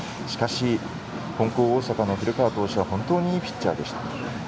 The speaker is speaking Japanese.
しかし、金光大阪の古川投手は本当にいいピッチャーでした。